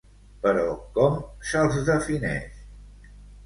Però com se'ls defineix?